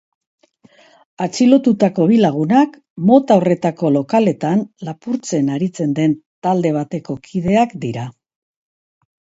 Atxilotutako bi lagunak mota horretako lokaletan lapurtzen aritzen den talde bateko kideak dira.